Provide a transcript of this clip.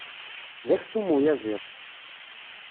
D aksum uyaziḍ.